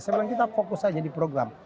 saya bilang kita fokus saja di program